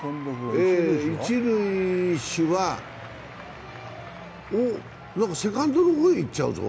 一塁手はおっセカンドの方へ行っちゃうぞ。